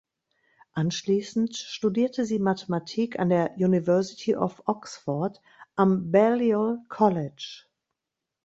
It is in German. Anschließend studierte sie Mathematik an der University of Oxford am Balliol College.